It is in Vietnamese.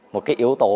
một cái yếu tố